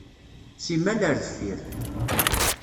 Simmal ar deffir.